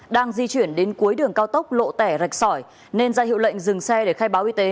đang di chuyển đến cuối đường cao tốc lộ tẻ rạch sỏi nên ra hiệu lệnh dừng xe để khai báo y tế